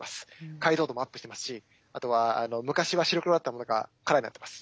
解像度もアップしてますしあとは昔は白黒だったものがカラーになってます。